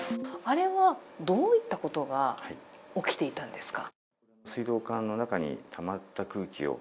どういったことが起きていたんですか？